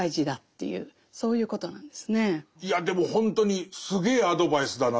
いやでもほんとにすげえアドバイスだなという。